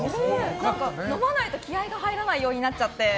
何か、飲まないと気合が入らないようになっちゃって。